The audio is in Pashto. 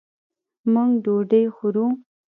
موږ ډوډۍ خورو